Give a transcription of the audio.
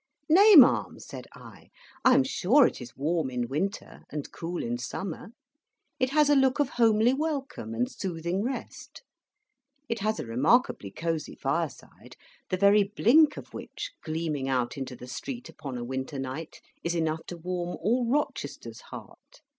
"Nay, ma'am," said I, "I am sure it is warm in winter and cool in summer. It has a look of homely welcome and soothing rest. It has a remarkably cosey fireside, the very blink of which, gleaming out into the street upon a winter night, is enough to warm all Rochester's heart.